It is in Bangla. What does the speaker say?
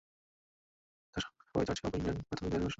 তাঁরা সবাই চার্চ অব ইংল্যান্ড প্রাথমিক বিদ্যালয়ে পড়াশোনা করেছেন।